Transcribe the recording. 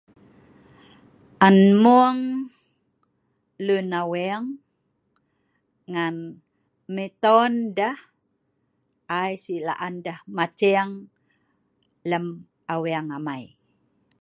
on mung lun aweng ngan meiton deh ai sik la'an deh maceng lem aweng amei